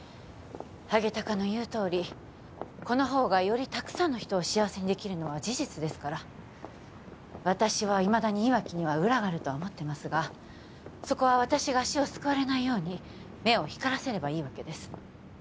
ハゲタカの言うとおりこのほうがよりたくさんの人を幸せにできるのは事実ですから私はいまだに岩城には裏があるとは思ってますがそこは私が足をすくわれないように目を光らせればいいわけです